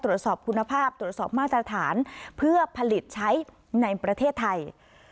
ตรวจสอบคุณภาพตรวจสอบมาตรฐานเพื่อผลิตใช้ในประเทศไทย